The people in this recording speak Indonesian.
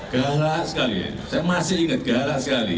galak sekali ya saya masih ingat galak sekali